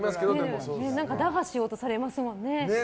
打破しようとされますもんね。